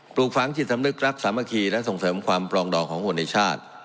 ปลูกฝังจิตสำนึกรักสามัคคีและส่งเสริมความปลองดองของคนในชาติ